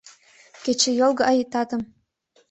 Кечыйол гае татым